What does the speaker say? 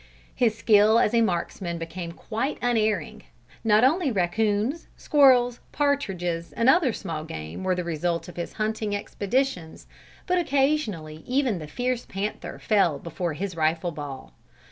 His skill as a marksman became quite unerring. Not only raccoons, squirrels, partridges and other such small game were the result of his hunting expeditions, but occasionally even the fierce panther fell before his rifle ball.